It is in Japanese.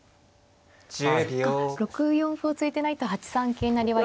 ６四歩を突いてないと８三桂成は。